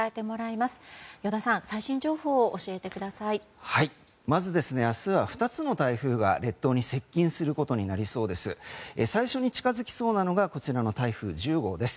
まず、明日は２つの台風が列島に接近することになりそうです。